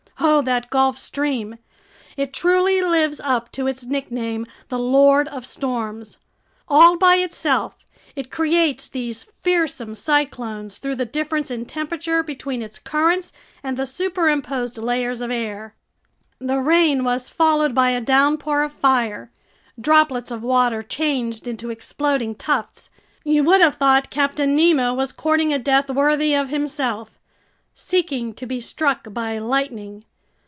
Oh, that Gulf Stream! It truly lives up to its nickname, the Lord of Storms! All by itself it creates these fearsome cyclones through the difference in temperature between its currents and the superimposed layers of air. The rain was followed by a downpour of fire. Droplets of water changed into exploding tufts. You would have thought Captain Nemo was courting a death worthy of himself, seeking to be struck by lightning.